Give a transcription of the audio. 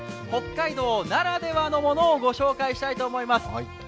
北海道ならではのものをご紹介したいと思います。